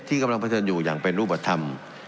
กำลังเผชิญอยู่อย่างเป็นรูปธรรม